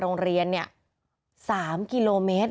โรงเรียนเนี้ย๓กิโลเมตร